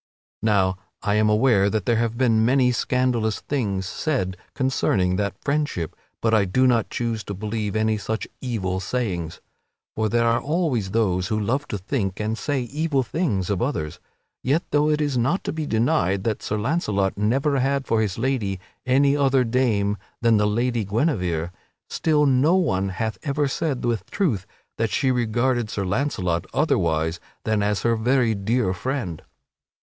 Now I am aware that there have been many scandalous things said concerning that friendship, but I do not choose to believe any such evil sayings. For there are always those who love to think and say evil things of others. Yet though it is not to be denied that Sir Launcelot never had for his lady any other dame than the Lady Guinevere, still no one hath ever said with truth that she regarded Sir Launcelot otherwise than as her very dear friend.